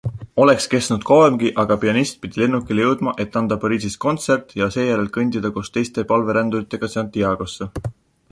Oleks kestnud kauemgi, aga pianist pidi lennukile jõudma, et anda Pariisis kontsert ja seejärel kõndida koos teiste palveränduritega Santiagosse.